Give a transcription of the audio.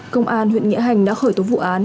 công an huyện nghĩa hành đã khởi tố vụ án